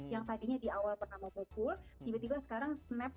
yang tadinya di awal pernah memukul tiba tiba sekarang snap